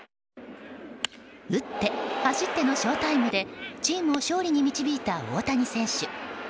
打って走ってのショータイムでチームを勝利に導いた大谷選手。